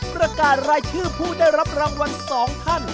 ประกาศรายชื่อผู้ได้รับรางวัล๒ท่าน